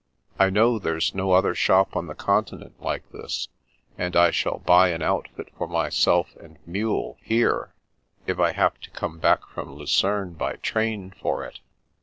I know there's no other shop on the Continent like this, and I shall buy an outfit for myself and mule, here, if I have to come back from Lucerne by train for it."